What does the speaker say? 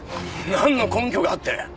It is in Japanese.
なんの根拠があって？